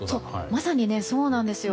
まさにそうなんですよ。